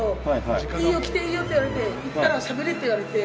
「いいよ来ていいよ」って言われて行ったら「しゃべれ」って言われて。